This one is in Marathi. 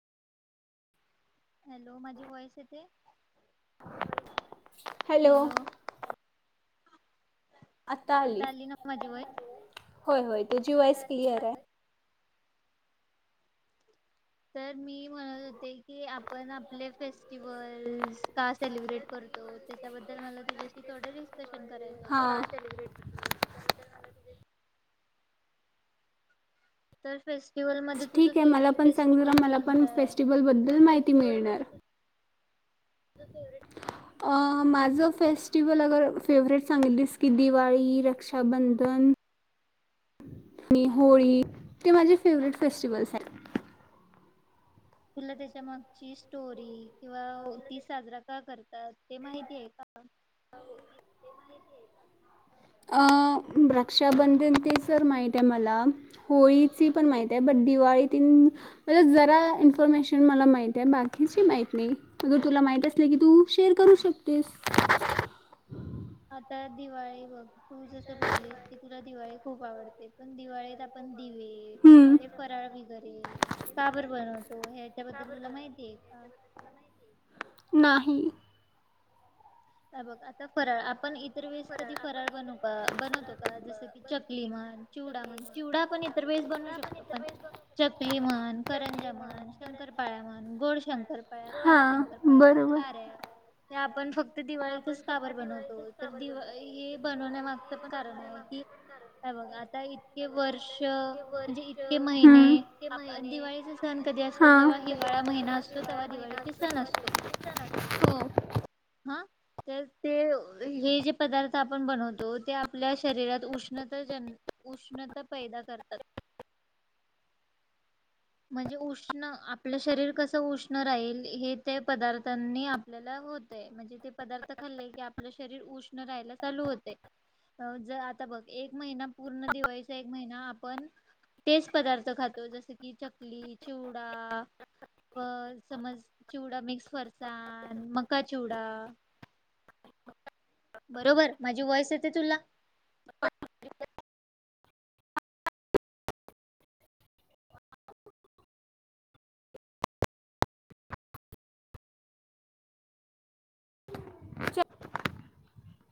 हॅलो. माझी वॉईस येतय? हॅलो. आता आली. ना माझी वॉइस होय, होय. तुझी वाॉइस क्लिअर हाय. तर मी म्हणत होते की आपण आपले फेस्टिवल् का सेलिब्रेट - - करतो. त्याच्याबद्दल मला तुझ्याशी थोड डिस्कस - - हा. तर फेस ठीक हाय मला पण सांग जरा मला पण कोणतं आहे फेस्टिवल बद्दल माहिती मिळणार. तुझं फेवरेट - - अ माझं फेस्टिवल अगर फेवरेट सांगितलीस की दिवाळी, रक्षाबंधन - - आणि होळी ते माझे फेवरेट फेस्टिवल्स आहेत. तुला त्याच्या मागची स्टोरी किंवा ती साजरा का करते तर ते माहिती आहे का. अ रक्षाबंधन ते सर माहित आहे मला होळीची पण माहित आहे ब दिवाळी इन्फमेशन मला मा बा मा नाही तु मा अस की तू शेअर करू शकतेस. [inaudible] आता दिवाळी बघ तू जस बोललीस की तुला दिवाळी खूप आवडते पण दिवाळीत आपण दिवे, हम्म. हे फराळ वगैरे काबर बनवतो हच्याबद्दल तुला माहिती आहे का. [unintelligible] नाही. बघ आता फराळ आपण इतर वेळेस कधी फराळ बनू बनवतो का. की चकली म्हण चिवडा म्हण चिवडा पण इतर बेस बनवू शकतो पण चकली म्हण करंजा म्हण शंकरपाळा म्हण गोड शंकर खार्या हां शंकर पळ्या बरोबर खऱ्या आपण फक्त दिवाळीतच सावरर बनवतो तर दिवा हे बनवण्यामागचं पण कारण आहे की, काय बघ आता इतके वर्ष म्हणजे इतके हम्म महिने आप दिवाळीचे सण कधी असतो, हां जव्हा हिवाळा महिना असतो तेव्हा दिवाळीचे सण असतो. सण असतो हा. तर ते हे जे पदार्थ आपण बनवतो ते आपल्या शरीरात उष्णता जन उष्णता पैदा करतात. म्हणजे उष्ण आपलं शरीर कस उष्ण राहील हे ते पदार्थांनी आपल्याला होत म्हणजे ते पदार्थ खाल्ले की आपलं शरीर उष्ण राहायला चालू होते. अ ज आता बघ एक महिना पूर्ण दिवाळीचा एक महिना आपण तेच पदार्थ खातो जस की चकली चिवडा व समज चिवडा मिक्स फरसान मका चिवडा बरोबर माझी वॉइस येते तुला. म आहे [unintelligible]